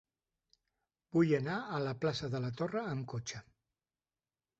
Vull anar a la plaça de la Torre amb cotxe.